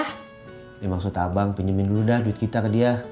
ini maksud abang pinjemin dulu dah duit kita ke dia